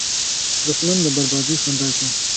دښمن د بربادۍ خندا کوي